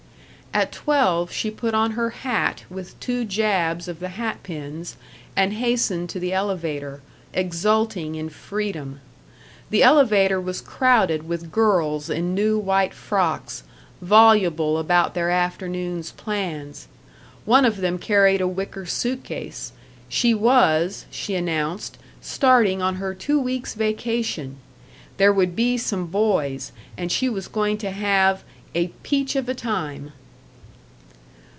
At twelve she put on her hat with two jabs of the hat pins, and hastened to the elevator, exulting in freedom. The elevator was crowded with girls in new white frocks, voluble about their afternoon's plans. One of them carried a wicker suit case. She was, she announced, starting on her two weeks' vacation; there would be some boys, and she was going to have "a peach of a time."